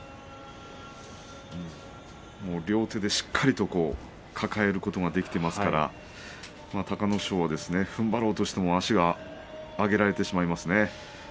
両手でしっかりと抱えることができていますから隆の勝は、ふんばろうとしても足が上げられてしまいましたね。